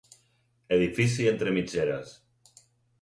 Edifici entre mitgeres.